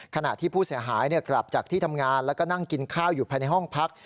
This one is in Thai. ขณะที่ผู้เสียหายกลับจากที่ทำงานแล้วก็นั่งกินข้าวอยู่ภายในห้องพัก